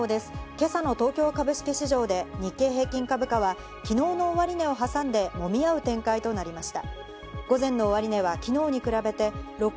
今朝の東京株式市場で日経平均株価は昨日の終値を挟んで、もみ合う展開となりました。